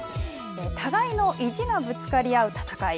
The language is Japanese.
お互いの意地がぶつかり合う戦い。